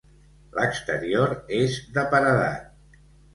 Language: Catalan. L'exterior és de paredat.